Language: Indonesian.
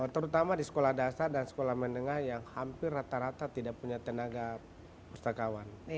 terutama di sekolah dasar dan sekolah menengah yang hampir rata rata tidak punya tenaga pustakawan